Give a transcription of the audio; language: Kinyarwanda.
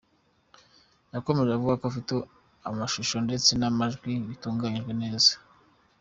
Yakomeje avuga ko ifite amashusho ndetse n’amajwi bitunganyijwe neza.